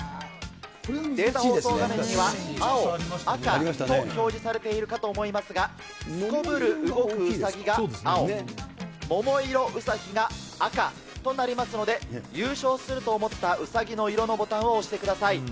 データ放送画面には、青、赤と表示されているかと思いますが、すこぶる動くウサギが青、桃色ウサヒが赤となりますので、優勝すると思ったうさぎの色のボタンを押してください。